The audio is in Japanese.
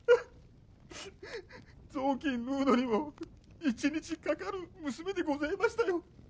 雑巾縫うのにも１日かかる娘でございましたよ。